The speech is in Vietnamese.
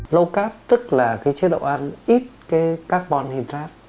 low carb tức là chế độ ăn ít carbon hydrate